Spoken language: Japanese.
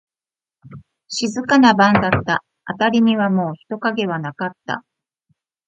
静かな晩だった。あたりにはもう人影はなかった。